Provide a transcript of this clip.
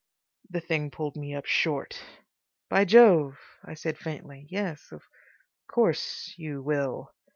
The thing pulled me up short. "By Jove!" I said faintly. "Yes. Of course—you will."